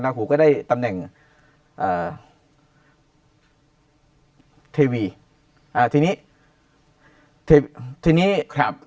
ลาหูก็ได้ตำแหน่งอ่าทีวีอ่าทีนี้ทีนี้ครับ